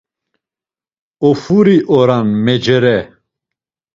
Ofuri oran mecere!